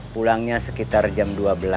pulangnya sekitar jam dua belas